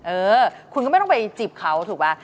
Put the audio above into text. เออคุณก็ไม่ต้องไปจีบเขาถูกป่ะ